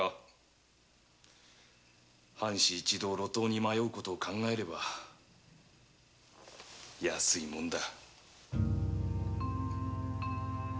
藩士一同路頭に迷う事を考えれば安いものだ。